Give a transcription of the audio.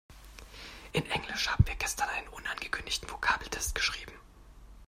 In Englisch haben wir gestern einen unangekündigten Vokabeltest geschrieben.